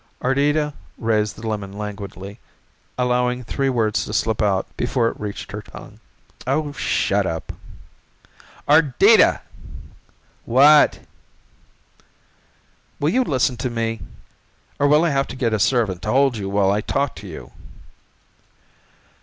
Ardita raised the lemon languidly, allowing three words to slip out before it reached her tongue. "Oh, shut up." "Ardita!" "What?" "Will you listen to me or will I have to get a servant to hold you while I talk to you?"